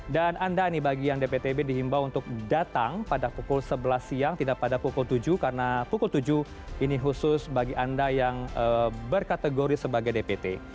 dan anda ini bagi yang dptb dihimbau untuk datang pada pukul sebelas siang tidak pada pukul tujuh karena pukul tujuh ini khusus bagi anda yang berkategori sebagai dpt